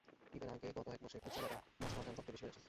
ঈদের আগে গত এক মাসে খুচরা বাজারে মসলার দাম সবচেয়ে বেশি বেড়েছে।